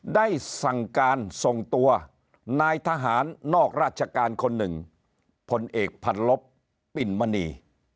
ได้สั่งการส่งตัวนายทหารนอกราชการคนหนึ่งผลเอกพันลบปิ่นมณี